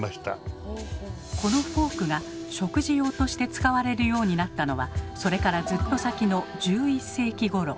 このフォークが食事用として使われるようになったのはそれからずっと先の１１世紀ごろ。